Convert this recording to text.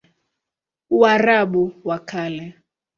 Uarabuni wa Kale